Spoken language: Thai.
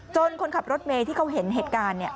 คนขับรถเมย์ที่เขาเห็นเหตุการณ์